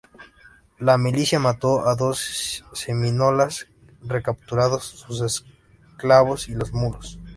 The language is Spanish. La milicia mató a dos semínolas, recapturaron sus esclavos y los mulos.